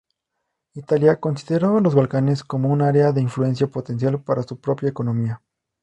Italia consideraba los Balcanes como un área de influencia potencial para su propia economía.